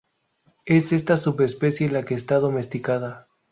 Es esta subespecie la que está domesticada.